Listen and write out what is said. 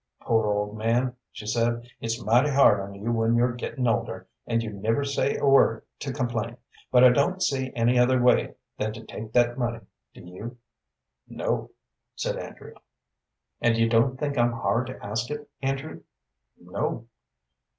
"Poor old man," she said; "it's mighty hard on you when you're gettin' older, and you never say a word to complain. But I don't see any other way than to take that money, do you?" "No," said Andrew. "And you don't think I'm hard to ask it, Andrew?" "No."